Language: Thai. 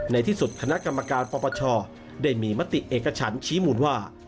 ในที่สุดคณะกรรมการปปชได้มีมติเอกฉันชี้มูลว่า